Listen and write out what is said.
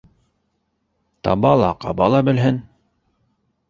Таба ла, ҡаба ла белһен.